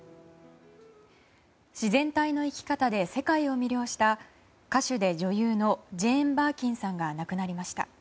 自然体の生き方で世界を魅了した歌手で女優のジェーン・バーキンさんが亡くなりました。